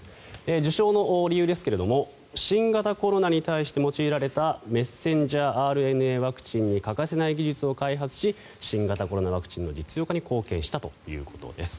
受賞の理由ですが新型コロナに対して用いられたメッセンジャーＲＮＡワクチンに欠かせない技術を開発し新型コロナワクチンの実用化に貢献したということです。